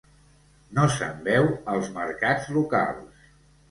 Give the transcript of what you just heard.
No se'n veu als mercats locals.